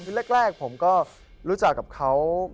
คือแรกผมก็รู้จักกับเขา